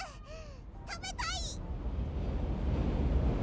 たべたい！